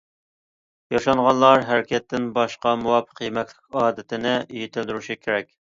ياشانغانلار ھەرىكەتتىن باشقا مۇۋاپىق يېمەكلىك ئادىتىنى يېتىلدۈرۈشى كېرەك.